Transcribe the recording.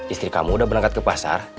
istri kamu udah berangkat ke pasar